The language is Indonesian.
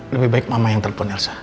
lebih baik mama yang telpon elsa